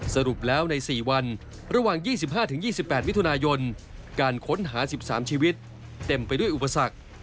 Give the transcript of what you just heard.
สรุปแล้วใน๔วันระหว่าง๒๕๒๘มิถุนายนการค้นหา๑๓ชีวิตเต็มไปด้วยอุปสรรค